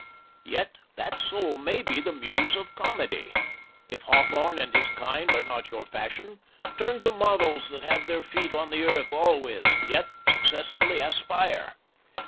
Yet that soul may be the muse of Comedy. If Hawthorne and his kind are not your fashion, turn to models that have their feet on the earth always, yet successfully aspire.